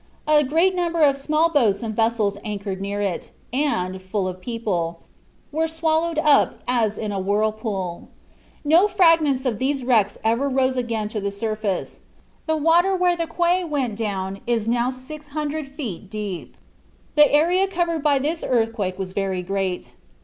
A great number of small boats and vessels anchored near it, and, full of people, were swallowed up as in a whirlpool. No fragments of these wrecks ever rose again to the surface; the water where the quay went down is now 600 feet deep. The area covered by this earthquake was very great.